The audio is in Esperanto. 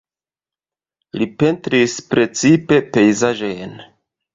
Li pentris precipe pejzaĝojn.